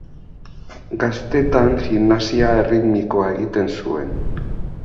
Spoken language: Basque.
Gaztetan, gimnasia erritmikoa egiten zuen.